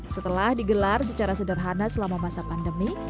setelah digelar secara sederhana selama masa pandemi